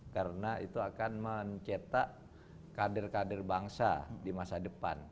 karena itu akan mencetak kader kader bangsa di masa depan